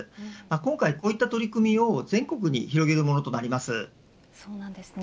今回こういった取り組みを全国に広げるものとなります。